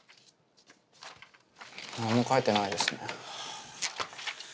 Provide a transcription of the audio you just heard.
何も書いてないですね。